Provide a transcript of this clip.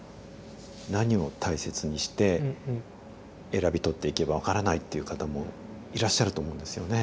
何を大切にして選び取っていけば分からないっていう方もいらっしゃると思うんですよね。